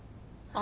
あ。